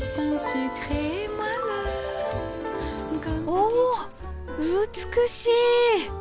お美しい！